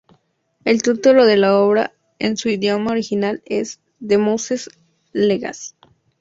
El título de la obra, en su idioma original, es "The Moses Legacy".